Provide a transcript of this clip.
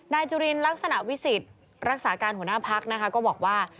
นายจุรินรักษณะวิสิตรักษาการหัวหน้าพักก็บอกว่า